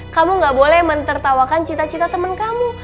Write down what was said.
kamu gak boleh mentertawakan cita cita teman kamu